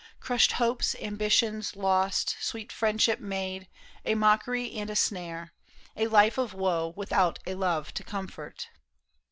Crushed hopes, ambitions lost, sweet friendship made A mockery and a snare — a life of woe Without a love to comfort.